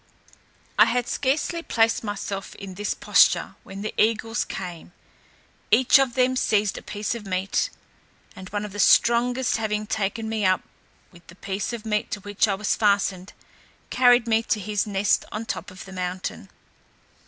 I had scarcely placed myself in this posture when the eagles came. Each of them seized a piece of meat, and one of the strongest having taken me up, with the piece of meat to which I was fastened, carried me to his nest on the top of the mountain.